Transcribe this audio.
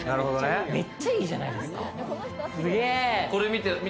めっちゃいいじゃないですか。